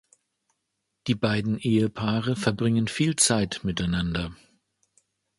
Die beiden Ehepaare verbringen viel Zeit miteinander.